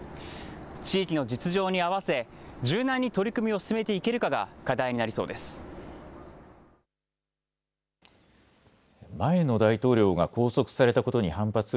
地域の実情に合わせ柔軟に取り組みを進めていけるかが課題になりそうです。